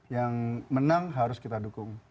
yang menang harus kita dukung